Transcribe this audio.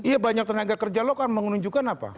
iya banyak tenaga kerja lokal menunjukkan apa